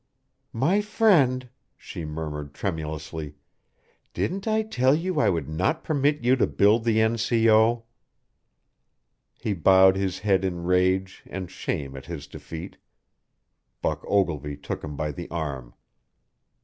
"My friend," she murmured tremulously, "didn't I tell you I would not permit you to build the N.C.O.?" He bowed his head in rage and shame at his defeat. Buck Ogilvy took him by the arm.